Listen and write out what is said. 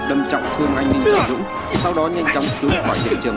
đâm trọng thương anh đinh trọng dũng